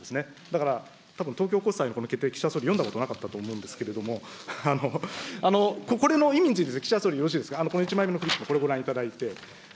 だから、たぶん東京高裁の決定、岸田総理、たぶん読んだことなかったと思うんですけれども、これの意味について、岸田総理、よろしいですか、１枚目のフリップ、これ、ご覧いただいて。